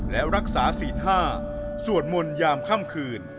และรักษาสิทธิ์ห้าสวดมนต์ยามค่ำคืน